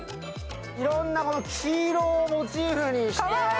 いろんなもの、黄色をモチーフにして。